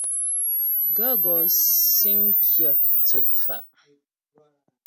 Gaə̂ gɔ́ síŋ kyə tsʉ́' fá'.